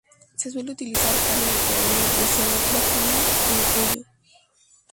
Se suele utilizar carne de cordero, de cerdo, vacuna o de pollo.